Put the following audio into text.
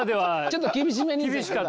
ちょっと厳しめに。